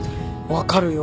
分かるよ。